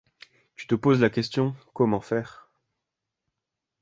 tu te poses la question : Comment faire ?